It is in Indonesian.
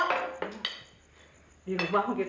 masih ada nih